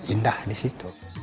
indah di situ